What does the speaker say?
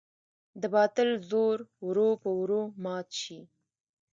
د باطل زور ورو په ورو مات شي.